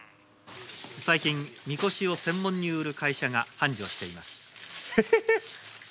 最近みこしを専門に売る会社が繁盛していますへへへ！